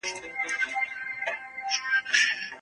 تاریخي حقایق باید له سیاست څخه جلا وساتل سي.